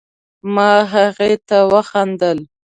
ما هغې ته وخندل